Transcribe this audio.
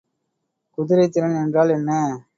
குதிரைத்திறன் என்றால் என்ன?